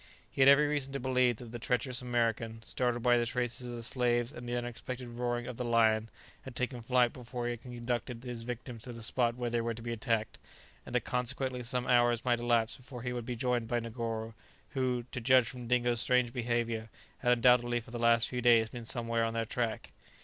He had every reason to believe that the treacherous American, startled by the traces of the slaves and the unexpected roaring of the lion, had taken flight before he had conducted his victims to the spot where they were to be attacked, and that consequently some hours might elapse before he would be joined by Negoro, who (to judge from Dingo's strange behaviour) had undoubtedly for the last few days been somewhere on their track.